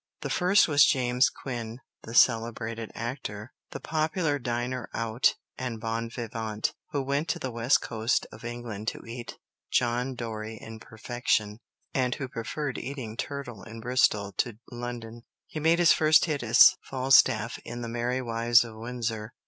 The first was James Quin, the celebrated actor, the popular diner out and bon vivant, who went to the west coast of England to eat John Dory in perfection, and who preferred eating turtle in Bristol to London. He made his first hit as Falstaff in the "Merry Wives of Windsor."